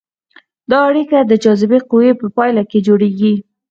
دا اړیکه د جاذبې قوې په پایله کې جوړیږي.